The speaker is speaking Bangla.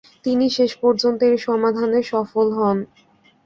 তিনি শেষ পর্যন্ত এর সমাধানে সফল হন।